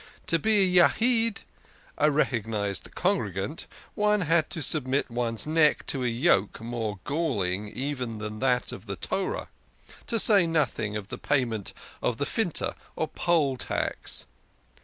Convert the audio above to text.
To be a Yahid a recognised congregant one had to submit one's neck to a yoke more galling even than that of the Torah, to say nothing of the payment of Finta, or poll tax.